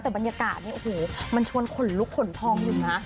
แต่บรรยากาศเนี่ยโอ้โหมันชวนขนลุกขนพองอยู่นะ